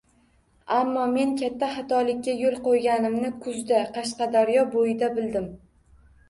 Ammo men katta xatolikka yo’l qo’ganimni kuzda, Qashqadaryo bo’yida bildim.